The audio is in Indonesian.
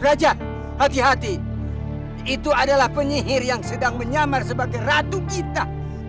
raja hati hati itu adalah penyihir yang sedang menyamar sebagai ratu kita